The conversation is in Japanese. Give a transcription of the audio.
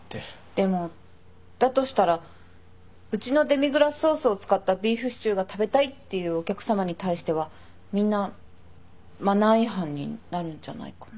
でもだとしたらうちのデミグラスソースを使ったビーフシチューが食べたいっていうお客さまに対してはみんなマナー違反になるんじゃないかな。